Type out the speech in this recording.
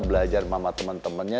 belajar sama teman temannya